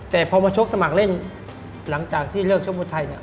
แต่พอมาชกสมัครเล่นหลังจากที่เลือกชกประโยชน์ไทย